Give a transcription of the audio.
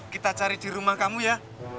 kita cari di rumah kamu ya